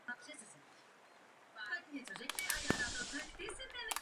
Je autorem více než sta vědeckých prací.